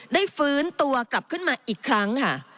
ฟื้นตัวกลับขึ้นมาอีกครั้งค่ะ